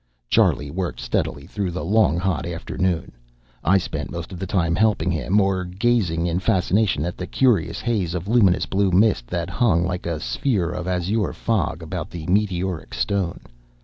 Charlie worked steadily through the long hot afternoon. I spent most of the time helping him, or gazing in fascination at the curious haze of luminous blue mist that clung like a sphere of azure fog about the meteoric stone.